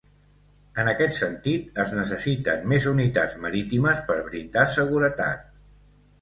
En aquest sentit, es necessiten més unitats marítimes per brindar seguretat.